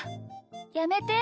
やめて。